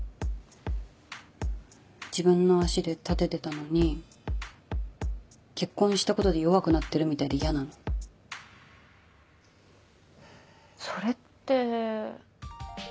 自分の足で立ててたのに結婚したことで弱くなってるみたいで嫌なのそれって。